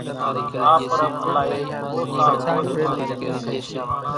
آ پرٻ الائي ۿو سال مور شرو ڇون تون